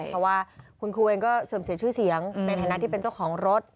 เพราะว่าคุณครูเองก็เสื่อมเสียชื่อเสียงในฐานะที่เป็นเจ้าของรถ